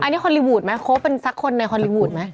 อันนี้ฮอลลีวูดไหมครบเป็นสักคนในฮอลลีวูดไหม